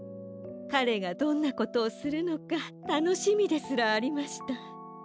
かれがどんなことをするのかたのしみですらありました。